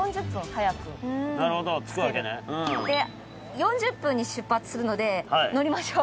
４０分に出発するので乗りましょう。